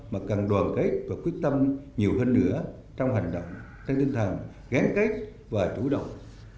mà cần đoàn kết và quyết tâm nhiều hơn nữa trong hành động trên tinh thần gán kết và chủ động